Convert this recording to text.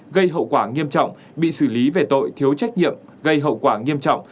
gây hậu quả nghiêm trọng bị xử lý về tội thiếu trách nhiệm gây hậu quả nghiêm trọng